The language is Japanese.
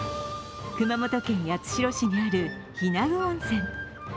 熊本県八代市にある日奈久温泉。